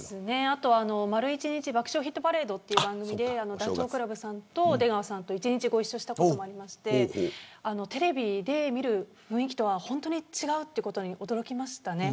あと丸１日爆笑ヒットパレードでダチョウ倶楽部さんと出川さんと１日ご一緒したことがありましてテレビで見る雰囲気とは本当に違うということに驚きました。